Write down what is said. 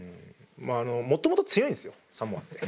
もともと強いんですよサモアって。